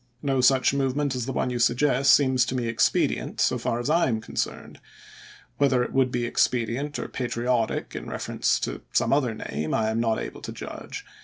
No such movement as the one you suggest seems to me expedient so far as I am con cerned. Whether it would be expedient or patriotic in reference to some other name, I am not able to _. judge.